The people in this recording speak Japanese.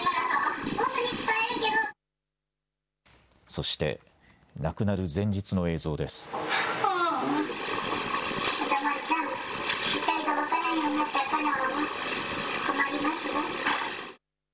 そして亡くなる前日の映像です。